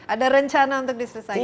ada rencana untuk diselesaikan